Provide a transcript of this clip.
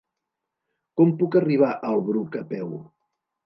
Com puc arribar al Bruc a peu?